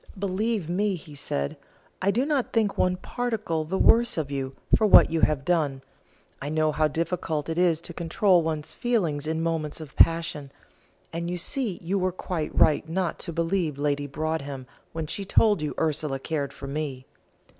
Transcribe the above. "Believe me," he said, "I do not think one particle the worse of you for what you have done; I know how difficult it is to control one's feelings in moments of passion; and you see you were quite right not to believe Lady Broadhem when she told you Ursula cared for me."